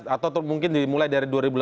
atau mungkin dimulai dari dua ribu delapan belas